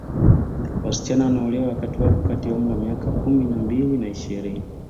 Wasichana wanaolewa wakati wapo kati ya umri wa miaka kumi na mbili na ishirini